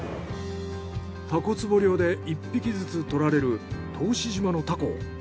タコつぼ漁で１匹ずつ獲られる答志島のタコ。